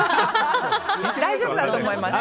大丈夫だと思います。